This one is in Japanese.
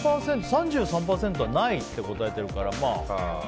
３３％はないって答えてるから。